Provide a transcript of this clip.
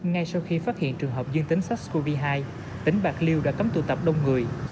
ngay sau khi phát hiện trường hợp dương tính sars cov hai tỉnh bạc liêu đã cấm tụ tập đông người